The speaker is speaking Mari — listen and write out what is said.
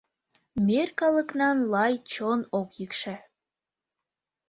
Мер калыкнан лай чон ок йӱкшӧ.